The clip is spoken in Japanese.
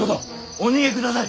お逃げください。